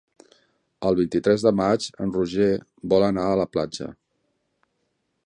El vint-i-tres de maig en Roger vol anar a la platja.